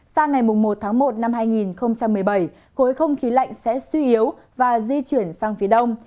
sang ngày một tháng một năm hai nghìn một mươi bảy khối không khí lạnh sẽ suy yếu và di chuyển sang phía đông